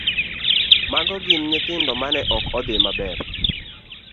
Mago gin nyithindo ma ne ok dhi maber e